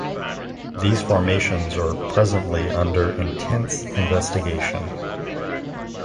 These formations are presently under intense investigation.